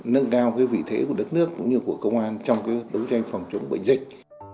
ngoại giao cái vị thế của đất nước cũng như của công an trong cái đấu tranh phòng chống bệnh dịch